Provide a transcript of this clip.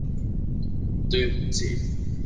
端午節